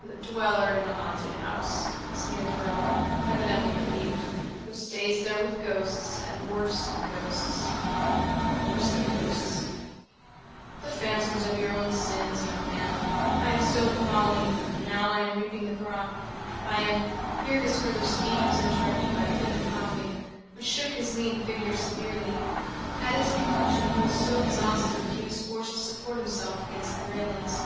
"The dweller in the haunted house," sneered Berwin, evidently relieved, "who stays there with ghosts, and worse than ghosts." "Worse than ghosts?" "The phantoms of my own sins, young man. I have sowed folly, and now I am reaping the crop. I am " Here his further speech was interrupted by a fit of coughing, which shook his lean figure severely. At its conclusion he was so exhausted that he was forced to support himself against the railings.